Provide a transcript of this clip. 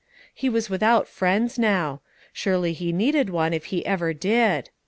He was without friends now; surely he needed one if he ever did.